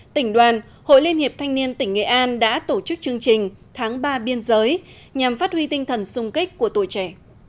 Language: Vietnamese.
tỉnh đoàn hội liên hiệp thanh niên tỉnh nghệ an đã tổ chức chương trình tháng ba biên giới nhằm phát huy tinh thần sung kích của tuổi trẻ